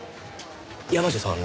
山路さん